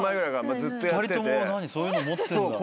２人ともそういうの持ってんだ？